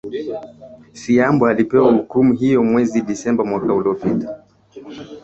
siambo alipewa hukumu hiyo mwezi disemba mwaka uliopita